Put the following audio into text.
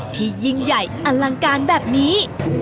ยิ่งใหญ่อลังการแบบนี้